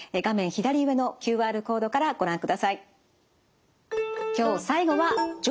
左上のＱＲコードからご覧ください。